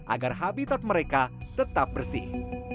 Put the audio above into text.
agar habitat mereka tetap bersih